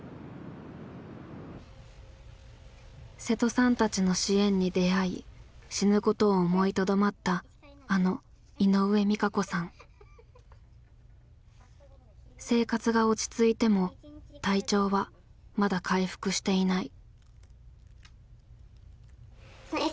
瀬戸さんたちの支援に出会い死ぬことを思いとどまったあの生活が落ち着いても体調はまだ回復していない。